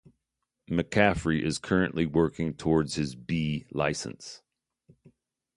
McCaffrey is currently working towards his B licence.